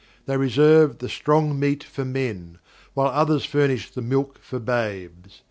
They reserve the "strong meat for men," while others furnish the "milk for babes."